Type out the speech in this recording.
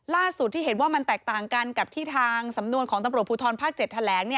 ที่เห็นว่ามันแตกต่างกันกับที่ทางสำนวนของตำรวจภูทรภาค๗แถลง